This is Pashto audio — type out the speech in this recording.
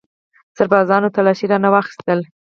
سربازانو تلاشي رانه واخیستله.